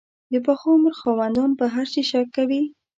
د پاخه عمر خاوندان په هر شي شک کوي.